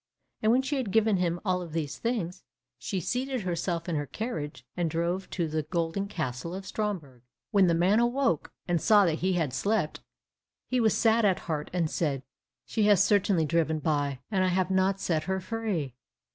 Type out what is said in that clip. And when she had given him all these things, she seated herself in her carriage, and drove to the golden castle of Stromberg. When the man awoke and saw that he had slept, he was sad at heart, and said, "She has certainly driven by, and I have not set her free."